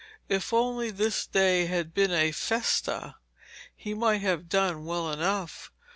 If only this day had been a festa, he might have done well enough.